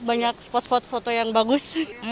banyak spot spot foto yang bagus